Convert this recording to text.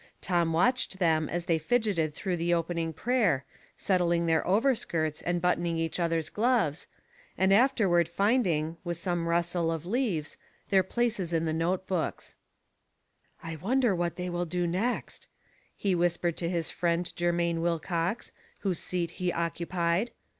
Tom watched them as they fidgeted through the opening prayer, settling their over skirts and buttoning each other's gloves, and afterward finding, with some rustle of leaves, their places in the note books. 137 128 Household Puzzles. " I wonder what they will do next ?" he whispered to his friend Germain Wilcox, whose Beat he occupied.